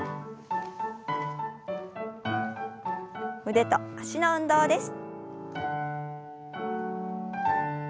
腕と脚の運動です。